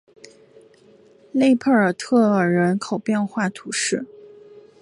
勒佩尔特尔人口变化图示